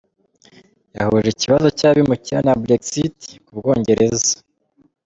Yahuje ikibazo cy’abimukira na Brexit ku u Bwongereza.